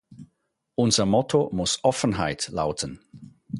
Unser Motto muss "Offenheit" lauten.